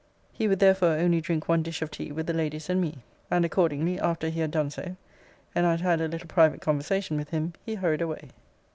He would therefore only drink one dish of tea with the ladies and me. And accordingly, after he had done so, and I had had a little private conversation with him, he hurried away.